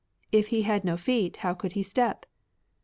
If He had no feet, how could He step